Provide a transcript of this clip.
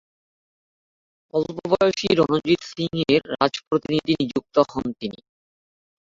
অল্পবয়সী রণজিৎ সিং এর রাজপ্রতিনিধি নিযুক্ত হন তিনি।